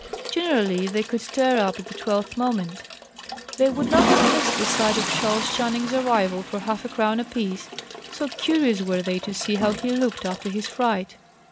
Generally, they could tear up at the twelfth moment. They would not have missed the sight of Charles Channing's arrival for half a crown apiece, so curious were they to see how he looked, after his fright.